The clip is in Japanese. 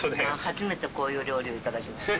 初めてこういう料理を頂きました。